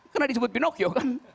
karena disebut pinokio